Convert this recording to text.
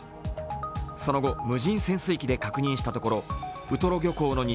その後、無人潜水機で確認したところウトロ漁港の西